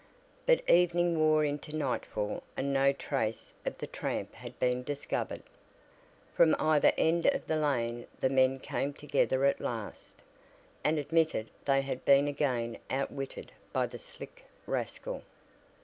But evening wore into nightfall and no trace of the "tramp" had been discovered. From either end of the lane the men came together at last, and admitted they had been again outwitted by the "slick rascal."